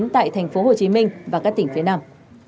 tại tp hcm và các tỉnh phía nam